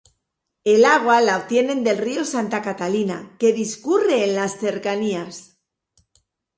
El agua la obtienen del río Santa Catalina que discurre en las cercanías.